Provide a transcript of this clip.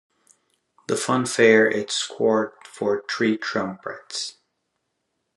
The fanfare is scored for three trumpets.